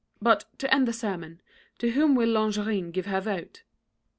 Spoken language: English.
But, to end the sermon, to whom will Longarine give her vote?"